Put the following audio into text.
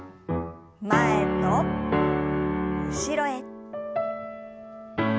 前と後ろへ。